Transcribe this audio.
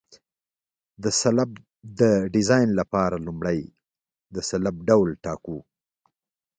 د سلب د ډیزاین لپاره لومړی د سلب ډول ټاکو